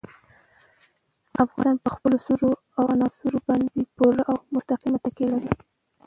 افغانستان په خپلو سرو انارو باندې پوره او مستقیمه تکیه لري.